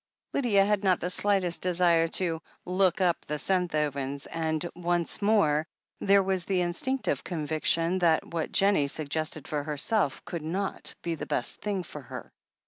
Lydia had not the slightest desire to "look up" the Senthovens, and, once more, there was the instinctive conviction that what Jennie suggested for herself could not be the best thing for her.